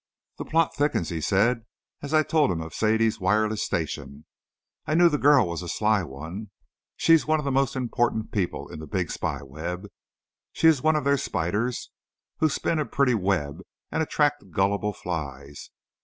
"The plot thickens," he said as I told him of Sadie's wireless station. "I knew that girl was a sly one. She's one of the most important people in the big spy web. She's one of their spyders, who spin a pretty web and attract gullible flies.